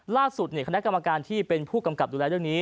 คณะกรรมการที่เป็นผู้กำกับดูแลเรื่องนี้